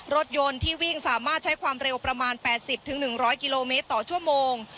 รถยนต์ที่วิ่งสามารถใช้ความเร็วประมาณ๘๐๑๐๐กิโลเมตรต่อชั่วโมง